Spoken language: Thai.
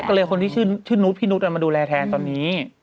ก็เลยคนที่ชื่อนุษย์พี่นุษย์มาดูแลแทนตอนนี้